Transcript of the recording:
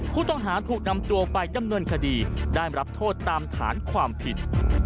ผู้ต้องหาถูกนำตัวไปดำเนินคดีได้รับโทษตามฐานความผิด